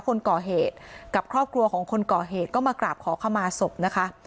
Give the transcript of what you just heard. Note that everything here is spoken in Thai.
คนก่อเหตุกับครอบครัวของคนก่อเหตุก็มากราบขอขมาศพนะคะ